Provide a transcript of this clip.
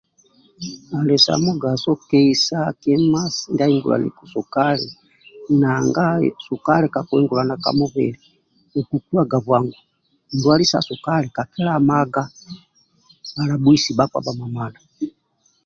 Ali sa mugaso keisa kima ndia ahingulaniku saukali nanga sukali kakuingulana ka mubili okukuwga bwangu ndwali sa sukali kakilamaga alabhuisi bhakpa bhamamadha